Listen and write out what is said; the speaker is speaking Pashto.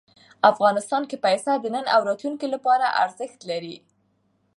افغانستان کې پسه د نن او راتلونکي لپاره ارزښت لري.